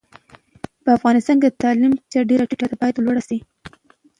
په افغانستان کي د تعلیم کچه ډيره ټیټه ده، بايد لوړه شي